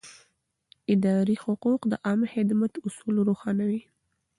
اداري حقوق د عامه خدمت اصول روښانوي.